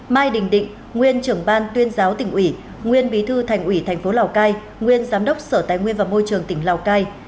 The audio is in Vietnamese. mai đình định nguyên trưởng ban tuyên giáo tỉnh ủy nguyên bí thư thành ủy tp lào cai nguyên giám đốc sở tài nguyên và môi trường tỉnh lào cai